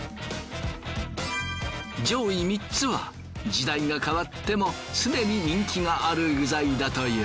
上位３つは時代が変わっても常に人気がある具材だという。